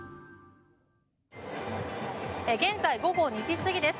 現在、午後２時過ぎです。